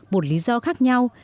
một lý do khác nhau